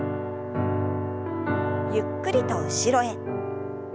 ゆっくりと後ろへ。